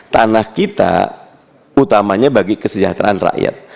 tanah kita utamanya bagi kesejahteraan rakyat